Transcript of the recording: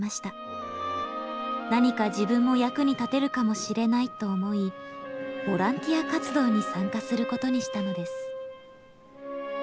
何か自分も役に立てるかもしれないと思いボランティア活動に参加することにしたのです。